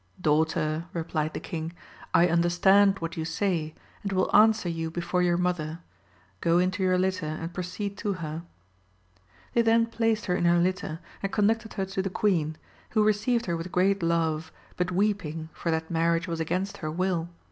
Daughter, replied th« king, I understand what you say, and will answer you before your mother : go into your litter and proceed to her. They then placed her in her litter, and conducted her to the queen, who received her with great love, but weeping, for that marriage was against her will.